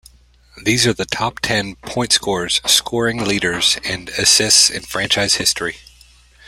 These are the top-ten point-scorers, scoring leaders and assists in franchise history.